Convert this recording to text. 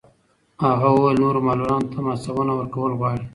هغه وویل نورو معلولانو ته هم هڅونه ورکول غواړي.